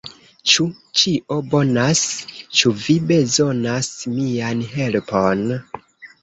"Ĉu ĉio bonas? Ĉu vi bezonas mian helpon?"